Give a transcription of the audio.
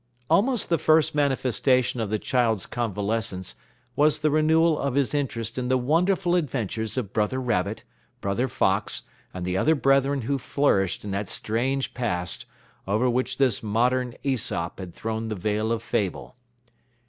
Almost the first manifestation of the child's convalescence was the renewal of his interest in the wonderful adventures of Brother Rabbit, Brother Fox, and the other brethren who flourished in that strange past over which this modern Æsop had thrown the veil of fable.